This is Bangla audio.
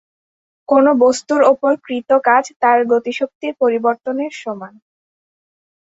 কোন বস্তুর উপর কৃত কাজ তার গতিশক্তির পরিবর্তনের সমান।